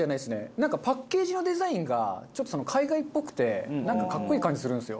なんかパッケージのデザインがちょっと海外っぽくてなんか格好いい感じするんですよ。